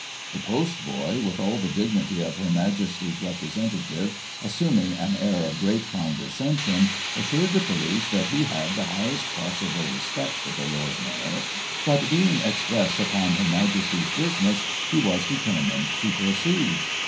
The post boy, with all the dignity. of Her Majesty's representative, assuming an air of great condescension, assured the police that he had the highest possible respect for the Lord Mayor, but, being ex press upon Her Majesty's business, he was determined to proceed.